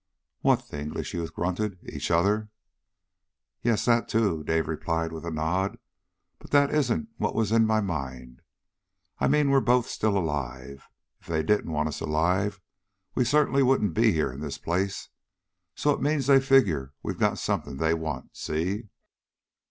"What?" the English youth grunted. "Each other?" "Yes, that, too," Dave replied with a nod. "But that isn't what was in my mind. I mean, we're both still alive. If they didn't want us alive, we certainly wouldn't be here in this place. So it means that they figure we've got something they want. See?"